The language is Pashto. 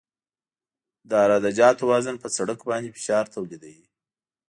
د عراده جاتو وزن په سرک باندې فشار تولیدوي